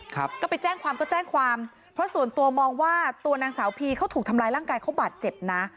ครับเพราะส่วนตัวมองว่าตัวนางสาวพีเขาถูกทำลายร่างกายเขาบาดเจ็บนะ